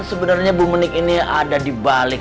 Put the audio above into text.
sebenarnya bu menik ini ada dibalik